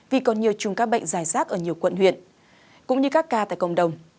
vì còn nhiều chùng các bệnh giải sát ở nhiều quận huyện cũng như các ca tại cộng đồng